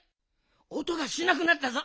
おとがしなくなったぞ。